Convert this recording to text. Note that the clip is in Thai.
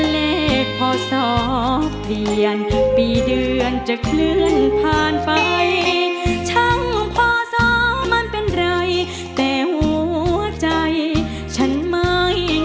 เลขพศเปลี่ยนปีเดือนจะเคลื่อนผ่านไปช่างพอสอมันเป็นไรแต่หัวใจฉันไม่